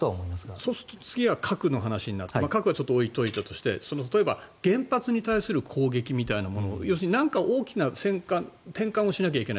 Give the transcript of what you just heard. そうすると次は核の話になって核は置いておいて、例えば原発に対する攻撃みたいなもの要するに何か大きな転換をしなきゃいけない。